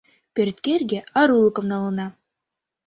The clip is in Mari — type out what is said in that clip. Пӧрт кӧргӧ арулыкым налына.